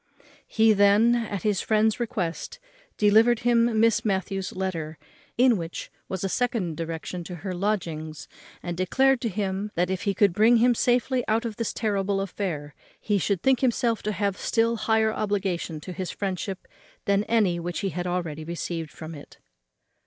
He then, at his friend's request, delivered him Miss Matthews's letter, in which was a second direction to her lodgings, and declared to him that, if he could bring him safely out of this terrible affair, he should think himself to have a still higher obligation to his friendship than any which he had already received from it.